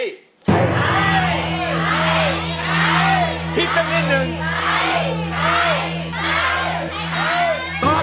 ฮิตนิดนึง